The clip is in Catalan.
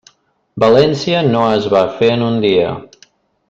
València no es va fer en un dia.